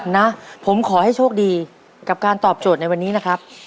นะผมขอให้โชคดีกับการตอบโจทย์ในวันนี้นะครับ